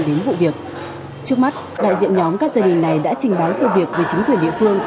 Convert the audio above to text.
trước mắt đại diện nhóm các gia đình này đã trình báo sự việc về chính quyền địa phương